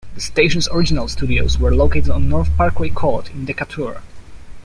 The station's original studios were located on North Parkway Court in Decatur.